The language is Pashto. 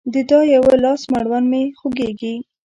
د دا يوه لاس مړوند مې خوږيږي